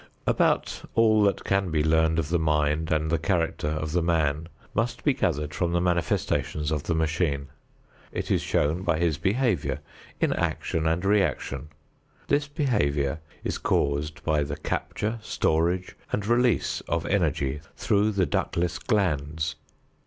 About all that can be learned of the mind and the character of the man must be gathered from the manifestation of the machine. It is shown by his behavior in action and reaction. This behavior is caused by the capture, storage and release of energy through the ductless glands.